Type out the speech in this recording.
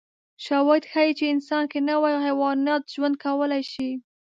شواهد ښيي چې انسان که نه وای، حیواناتو ژوند کولای شوی.